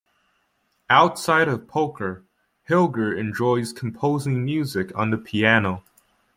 Outside of poker, Hilger enjoys composing music on the piano.